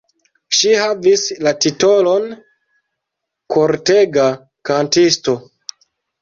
Ŝi havis la titolon "kortega kantisto".